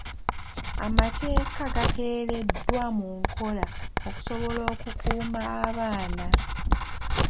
Amateeka gateereddwa mu nkola okusobola okukuuma abaana.